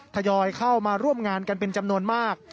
ทยอยเข้ามาร่วมงานกันเป็นจำนวนมาก